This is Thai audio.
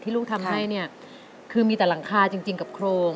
ที่ลูกทำให้คือมีแต่หลังคาจริงกับโครง